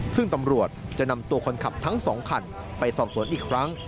ซึ่งตำรวจจะนำตัวคนขับทั้ง๒คันไปสอบสวนอีกครั้ง